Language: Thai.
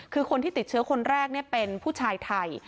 คือคนที่ติดเชื้อคนแรกเป็นผู้ชายไทย